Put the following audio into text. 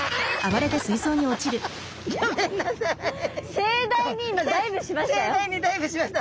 盛大にダイブしました。